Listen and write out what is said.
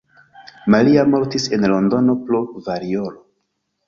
Maria mortis en Londono pro variolo.